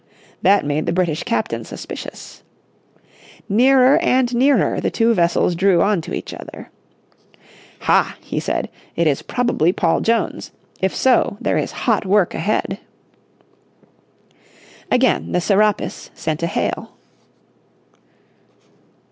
That made the British captain suspicious. Nearer and nearer the two vessels drew on to each other. "Hah," he said, "it is probably Paul Jones. If so there is hot work ahead." Again the Serapis sent a hail.